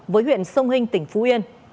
với huyện sông hinh tỉnh phú yên